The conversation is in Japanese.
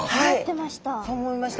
そう思いました。